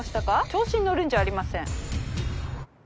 調子に乗るんじゃありません。